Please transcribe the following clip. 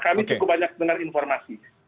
kami cukup banyak dengar informasi